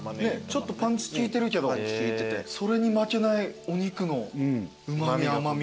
ちょっとパンチ効いてるけどそれに負けないお肉のうま味甘味。